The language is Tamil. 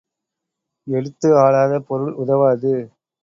எடுத்து ஆளாத பொருள் உதவாது.